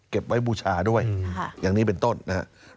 เก็บไว้บูชาด้วยอย่างนี้เป็นต้นนะครับ